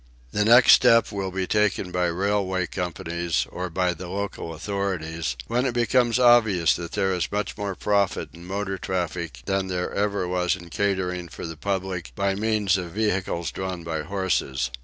The next step will be taken by the railway companies, or by the local authorities, when it becomes obvious that there is much more profit in motor traffic than there ever was in catering for the public by means of vehicles drawn by horses.